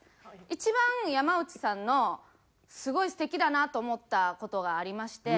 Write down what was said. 一番山内さんのすごい素敵だなと思った事がありまして。